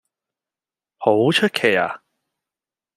好出奇呀